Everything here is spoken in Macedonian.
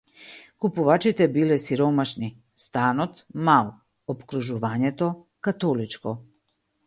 Купувачите биле сиромашни, станот - мал, опкружувањето - католичко.